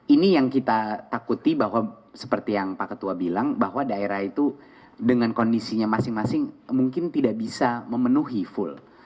ini yang kita takuti bahwa seperti yang pak ketua bilang bahwa daerah itu dengan kondisinya masing masing mungkin tidak bisa memenuhi full